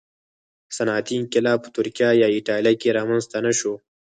صنعتي انقلاب په ترکیه یا اېټالیا کې رامنځته نه شو